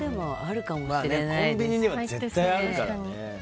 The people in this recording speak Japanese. コンビニには絶対あるから。